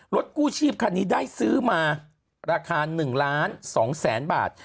กู้ชีพคันนี้ได้ซื้อมาราคา๑ล้าน๒แสนบาท